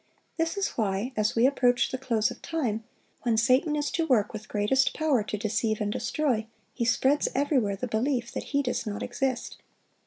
This is why, as we approach the close of time, when Satan is to work with greatest power to deceive and destroy, he spreads everywhere the belief that he does not exist.